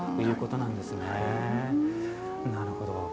なるほど。